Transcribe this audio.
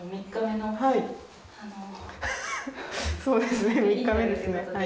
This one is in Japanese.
そうですね３日目ですねはい。